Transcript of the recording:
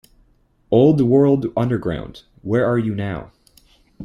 Old World Underground, Where Are You Now?